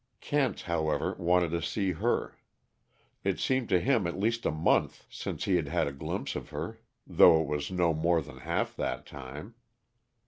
Kent, however, wanted to see her. It seemed to him at least a month since he had had a glimpse of her, though it was no more than half that time.